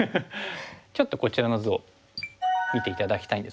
ちょっとこちらの図を見て頂きたいんですけども。